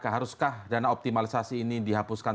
haruskah dana optimalisasi ini dihapuskan